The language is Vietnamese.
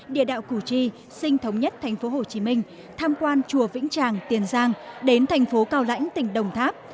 địa đạo củ chi sinh thống nhất thành phố hồ chí minh tham quan chùa vĩnh tràng tiền giang đến thành phố cao lãnh tỉnh đồng tháp